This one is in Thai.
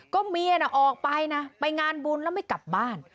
ก็เมียน่ะออกไปนะไปงานบุญแล้วไม่กลับบ้าน